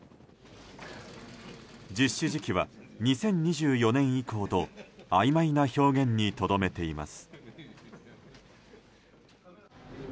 実施時期は、２０２４年以降とあいまいな表現にとどめています。